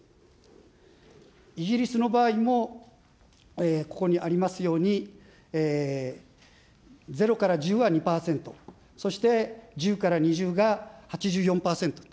イギリスの場合も、ここにありますように、０から１０は２％、そして１０から２０が８４％。